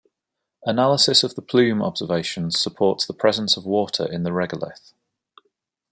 Analysis of the plume observations supports the presence of water in the regolith.